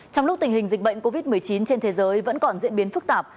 trong lúc tình hình dịch bệnh covid một mươi chín trên thế giới vẫn còn diễn biến phức tạp